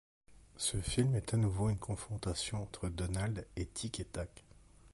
Ce film est à nouveau une confrontation entre Donald et Tic et Tac.